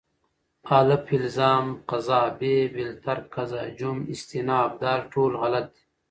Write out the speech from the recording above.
الف: الزام قضا ب: باالترک قضا ج: استیناف د: ټول غلط دي